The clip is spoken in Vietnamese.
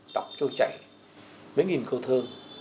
đọc trâu chảy mấy nghìn câu thơ